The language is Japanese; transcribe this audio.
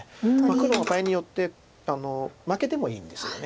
黒は場合によって負けてもいいんですよね